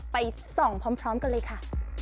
ไปส่องพร้อมกันเลยค่ะ